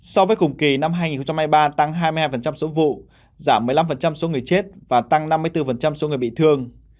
so với cùng kỳ năm hai nghìn hai mươi ba tăng hai mươi hai số vụ giảm một mươi năm số người chết và tăng năm mươi bốn số người bị thương